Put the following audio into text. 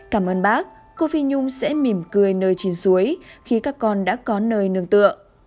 cảm ơn bác cô phi nhung sẽ mỉm cười nơi trên suối khi các con đã có nơi nương tựa